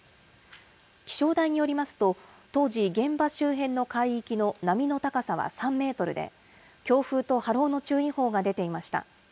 気象台によりますと、当時、現場周辺の海域の波の高さは３メートルで、強風と波浪の注意報が出ていました。